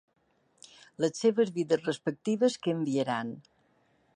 Les seves vides respectives canviaran.